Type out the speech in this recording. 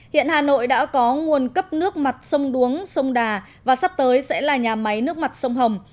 hiện hà nội đã có nguồn cấp nước mặt sông đuống sông đà và sắp tới sẽ là nhà máy nước mặt sông hồng